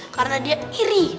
karena dia iri